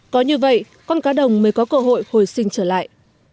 có như vậy con cá đồng mới có cơ hội hồi sinh trở lại